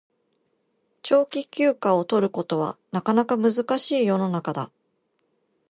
長期休暇を取ることはなかなか難しい世の中だ